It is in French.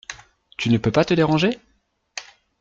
Tu ne peux pas te déranger ?